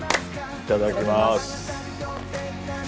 いただきます。